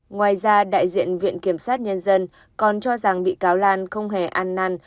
ngoài ra đại diện viện kiểm sát nhân dân còn cho rằng bị cáo lan không hề an năn